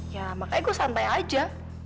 ya makanya gue santai aja